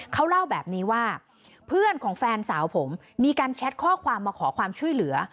เขาเล่าแบบนี้ว่าเพื่อนของแฟนสาวผมมีการแชทข้อความมาขอความช่วยเหลือ